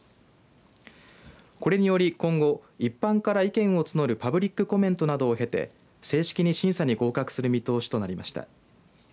これにより今後一般から意見を募るパブリックコメントなどを経て正式に審査に合格する見通しとなりました。